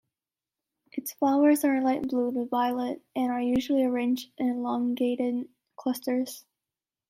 Its flowers are light blue to violet and are usually arranged in elongated clusters.